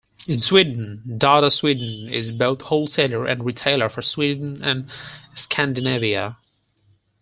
In Sweden Darda Sweden is both wholesaler and retailer for Sweden and Scandinavia.